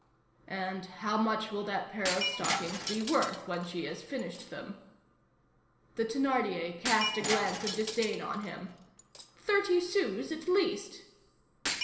"And how much will that pair of stockings be worth when she has finished them?" The Thénardier cast a glance of disdain on him. "Thirty sous at least."